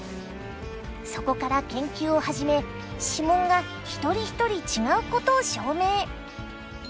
そこから研究を始め指紋が一人一人違うことを証明！